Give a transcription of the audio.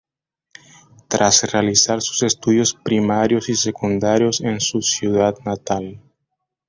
Tras realizar sus estudios primarios y secundarios en su ciudad natal.